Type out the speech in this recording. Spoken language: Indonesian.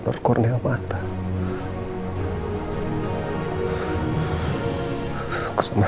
lebiheren nanti mungkin ya